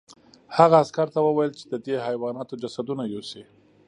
هغه عسکر ته وویل چې د دې حیواناتو جسدونه یوسي